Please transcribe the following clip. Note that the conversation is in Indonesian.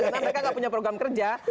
karena mereka nggak punya program kerja